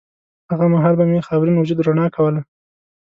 هغه مهال به مې خاورین وجود رڼا کوله